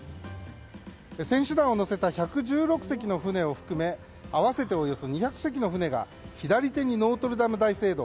選手団を乗せた１１６隻の船を含め合わせておよそ２００隻の船が左手にノートルダム大聖堂